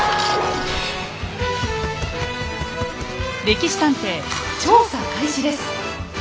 「歴史探偵」調査開始です。